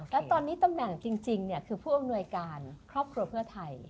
แล้วตอนนี้ตำแหน่งจริงคือผู้อำนวยการครอบครัวเพื่อไทย